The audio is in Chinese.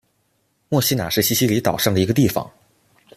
墨西拿是西西里岛上的一个地方。